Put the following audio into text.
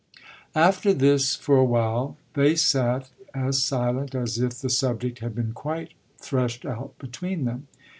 After this, for a while, they sat as silent as if the subject had been quite threshed out between them.